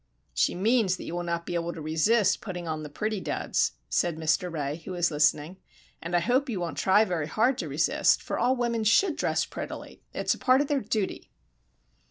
"She means that you will not be able to resist putting on the pretty duds," said Mr. Ray, who was listening "and I hope you won't try very hard to resist, for all women should dress prettily, it is a part of their duty."